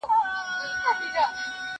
کېدای سي وخت لنډ وي.